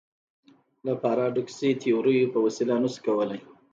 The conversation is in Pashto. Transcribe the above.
له پاراډوکسي تیوریو په وسیله نه شو کولای.